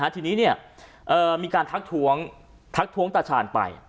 ทีนี้มีการทักทวงตาชาญไป